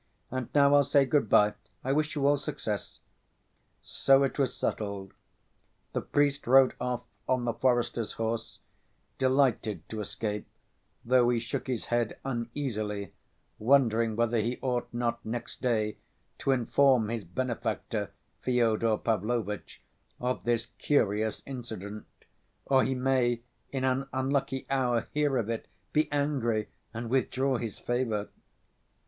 "And now I'll say good‐by. I wish you all success." So it was settled. The priest rode off on the forester's horse, delighted to escape, though he shook his head uneasily, wondering whether he ought not next day to inform his benefactor Fyodor Pavlovitch of this curious incident, "or he may in an unlucky hour hear of it, be angry, and withdraw his favor."